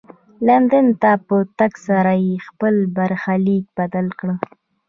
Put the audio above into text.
لندن ته په تګ سره یې خپل برخلیک بدل کړ.